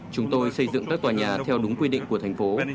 chúng tôi xây dựng các tòa nhà theo đúng quy định của thành phố